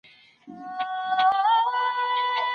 هم ښکاري وو هم ښه پوخ تجریبه کار وو